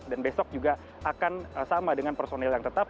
dan besok juga akan sama dengan personil yang tetap